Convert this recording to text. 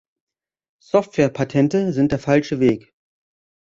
Softwarepatente sind der falsche Weg.